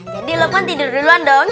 jadi lukman tidur duluan dong